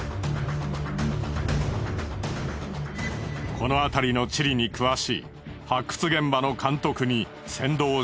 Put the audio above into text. この辺りの地理に詳しい発掘現場の監督に先導してもらう。